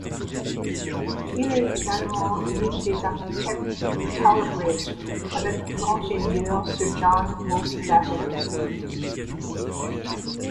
Il est également l´un des architectes du Tower Bridge avec l´ingénieur Sir John Wolfe-Barry.